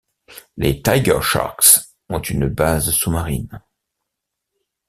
Les TigerSharks ont une base sous-marine.